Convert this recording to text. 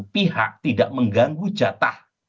pihak tidak mengganggu jatah